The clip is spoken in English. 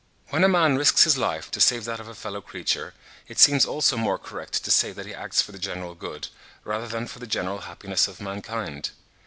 When a man risks his life to save that of a fellow creature, it seems also more correct to say that he acts for the general good, rather than for the general happiness of mankind.